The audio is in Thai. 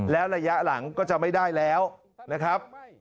แล้วระยะหลังก็จะไม่ได้แล้วนะครับ